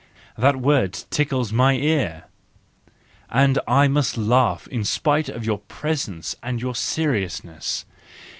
That word tickles my ear, and I must laugh in spite of your presence and your seriousness.